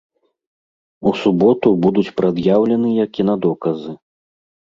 У суботу будуць прад'яўленыя кінадоказы.